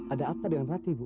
ada apa dengan hati ibu